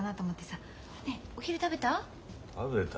ねえお昼食べた？